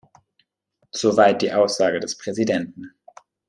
Soweit die Aussage des Präsidenten.